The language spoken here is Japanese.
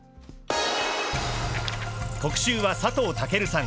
特集は、佐藤健さん。